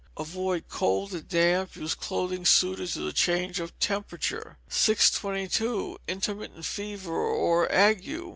Avoid cold and damp, use clothing suited to the change of temperature. 622. Intermittent Fever, or Ague.